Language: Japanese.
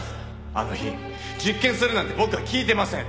あの日実験するなんて僕は聞いてません！